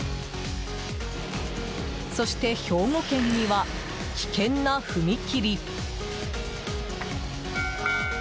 そして兵庫県には、危険な踏切。